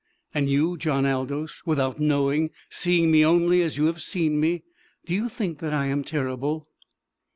"And you, John Aldous? Without knowing, seeing me only as you have seen me, do you think that I am terrible?"